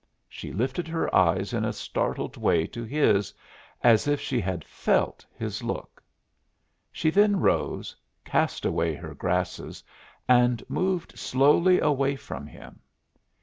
She lifted her eyes in a startled way to his, as if she had felt his look. She then rose, cast away her grasses, and moved slowly away from him.